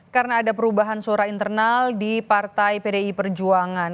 karena ada perubahan surah internal di partai pdi perjuangan